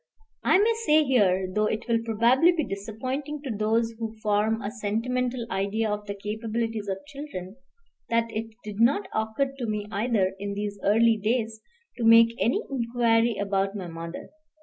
I may say here, though it will probably be disappointing to those who form a sentimental idea of the capabilities of children, that it did not occur to me either, in these early days, to make any inquiry about my mother.